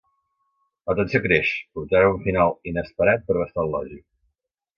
La tensió creix, portant a un final inesperat però bastant lògic.